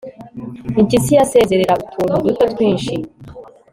impyisi yazerera, utuntu duto twinshi